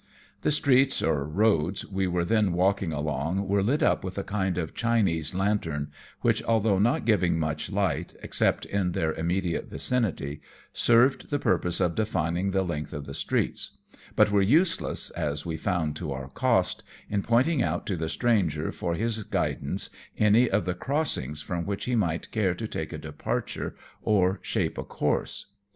The streets or roads we were then walking along were lit up with a kind of Chinese lantern, which, although not giving much light except in their immediate vicinity^ served the purpose of defining the length of the streets ; but were useless, as we found to our cost, in pointing out to the stranger for his guidance any of the crossings from which he might care to take a departure or shape a course.